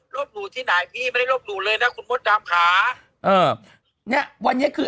หลู่ที่ไหนพี่ไม่ได้ลบหลู่เลยนะคุณมดดำค่ะเออเนี้ยวันนี้คือ